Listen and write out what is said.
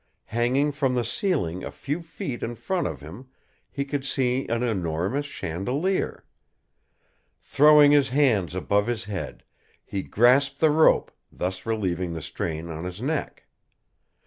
Hanging from the ceiling a few feet in front of him he could see an enormous chandelier. Throwing his hands above his head, he grasped the rope, thus relieving the strain on his neck.